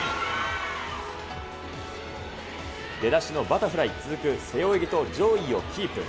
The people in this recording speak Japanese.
出だしのバタフライ、続く背泳ぎと上位をキープ。